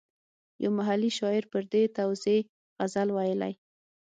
یو محلي شاعر پر دې توزېع غزل ویلی.